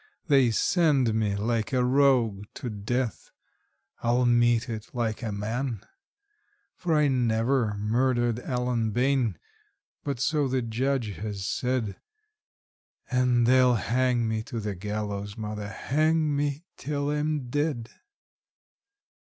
They send me like a rogue to death I'll meet it like a man; For I never murdered Allen Bayne! but so the Judge has said, And they'll hang me to the gallows, mother hang me till I'm dead!